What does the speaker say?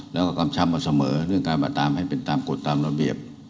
แล้วก็กำชับมาเสมอเรื่องการมาตามให้เป็นตามกฎตามระเบียบ